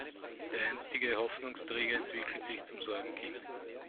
Der einstige Hoffnungsträger entwickelt sich zum Sorgenkind.